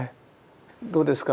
どうですか